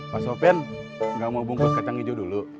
pak sofyan gak mau bungkus kacang hijau dulu